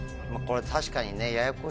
これ確かにね。